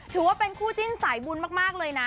ถือว่าเป็นคู่จิ้นสายบุญมากเลยนะ